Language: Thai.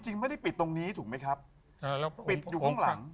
จริงไม่ได้ปิดตรงนี้ถูกไหมครับปิดอยู่ข้างหลัง